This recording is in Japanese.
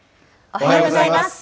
おはようございます。